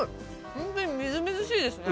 ほんとにみずみずしいですね。